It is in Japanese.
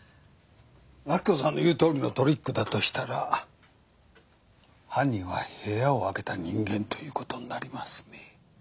明子さんの言うとおりのトリックだとしたら犯人は部屋を開けた人間ということになりますね。